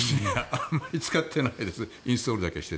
あまり使ってないです。